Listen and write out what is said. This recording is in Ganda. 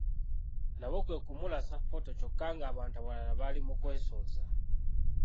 Nabo kwekumulasa foto kyokka ng'abantu abalala bali mu kwesooza.